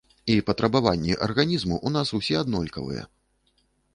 І патрабаванні арганізму ў нас усе аднолькавыя.